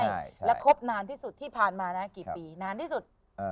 แล้วคบนานที่สุดที่ผ่านมานะคือนานที่สุด